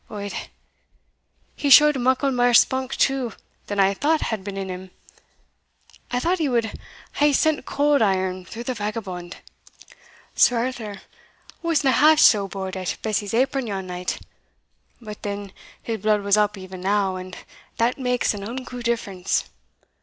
Od, he showed muckle mair spunk, too, than I thought had been in him I thought he wad hae sent cauld iron through the vagabond Sir Arthur wasna half sae bauld at Bessie's apron yon night but then, his blood was up even now, and that makes an unco difference.